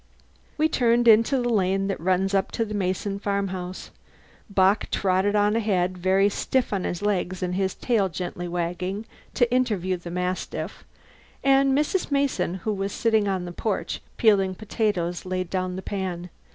We turned into the lane that runs up to the Mason farmhouse. Bock trotted on ahead very stiff on his legs and his tail gently wagging to interview the mastiff, and Mrs. Mason who was sitting on the porch, peeling potatoes, laid down the pan.